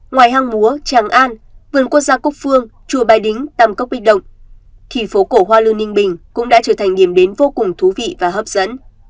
ngoài hang múa tràng an vườn quốc gia cốc phương chùa bai đính tăm cốc bích động thì phố cổ hoa lưu ninh bình cũng đã trở thành điểm đến vô cùng thú vị và hấp dẫn